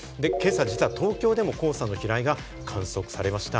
今朝、東京でも黄砂の飛来が観測されました。